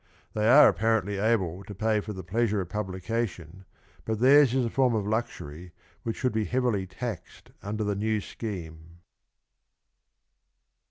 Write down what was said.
They are apparently able to pay for the pleasure of publica tion, but theirs is a form of luxury which should be heavily taxed under the new scheme.